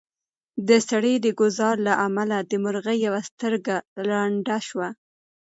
د سړي د ګوزار له امله د مرغۍ یوه سترګه ړنده شوه.